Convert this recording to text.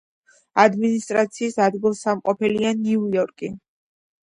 ადმინისტრაციის ადგილსამყოფელია ნიუ-იორკი.